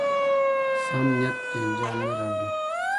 سم نیت جنجال نه راوړي.